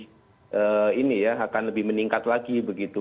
nah kalau kita lihat ya sebetulnya ini ya akan lebih meningkat lagi begitu